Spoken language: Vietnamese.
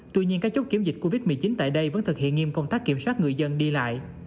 tuy nhiên các chốt kiểm dịch covid một mươi chín tại đây vẫn thực hiện nghiêm công tác kiểm soát người dân đi lại